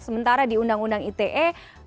sementara di undang undang ite